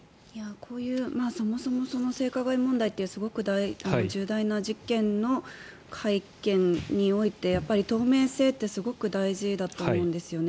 こういうそもそも性加害問題というすごく重大な事件の会見において透明性ってすごく大事だと思うんですよね。